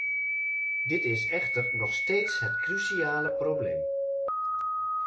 Dit is echter nog steeds het cruciale probleem.